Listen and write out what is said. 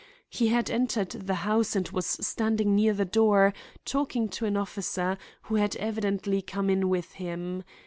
He had entered the house and was standing near the door talking to an officer, who had evidently come in with him.